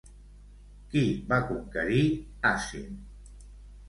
Qui va conquerir Àsine?